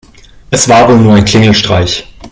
Es war wohl nur ein Klingelstreich.